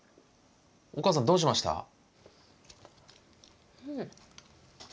お義母さんどうしました？